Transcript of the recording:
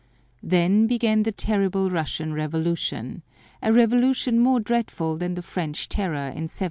Then began the terrible Russian revolution a revolution more dreadful than the French Terror in 1793.